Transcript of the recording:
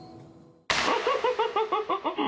ハハハハ！